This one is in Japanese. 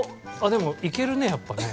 でもいけるねやっぱね。